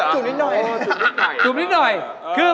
ถามพี่ปีเตอร์